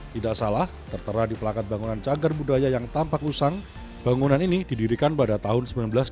tidak salah tertera di pelakat bangunan cagar budaya yang tampak usang bangunan ini didirikan pada tahun seribu sembilan ratus delapan puluh